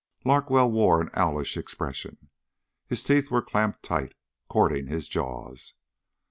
Larkwell wore an owlish expression. His teeth were clamped tight, cording his jaws.